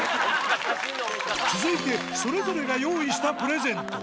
続いてそれぞれが用意したジャン！